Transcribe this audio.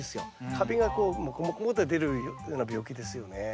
カビがこうモコモコって出るような病気ですよね。